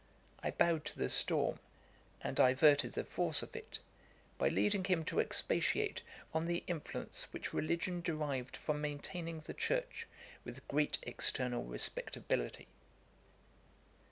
I bowed to the storm, and diverted the force of it, by leading him to expatiate on the influence which religion derived from maintaining the church with great external respectability.